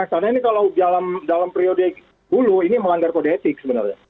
karena ini kalau dalam periode dulu ini melanggar kode etik sebenarnya